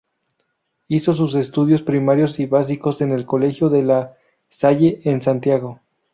Hizo sus estudios primarios y básicos en el Colegio De la Salle en Santiago.